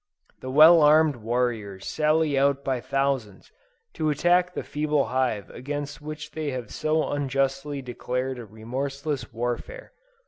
The well armed warriors sally out by thousands, to attack the feeble hive against which they have so unjustly declared a remorseless warfare.